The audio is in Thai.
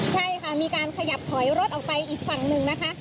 ใช่ค่ะมีการขยับถอยรถออกไปอีกฝั่งหนึ่งนะคะ